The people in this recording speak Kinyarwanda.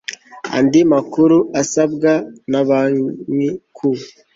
andi makuru asabwa na Banki ku